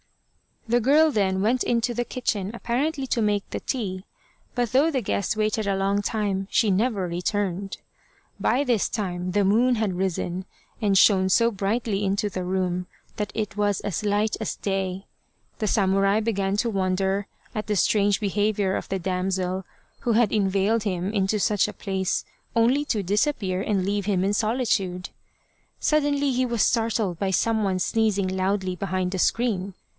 The girl then went into the kitchen apparently to make the tea, but though the guest waited a long time, she never returned. By this time the moon had risen, and shone so brightly into the room, that it was as light as day. The samurai began to wonder at the strange behaviour of the damsel, who had inveigled him into such a place only to disappear and leave him in solitude. Suddenly he was startled by some one sneezing loudly behind the screen.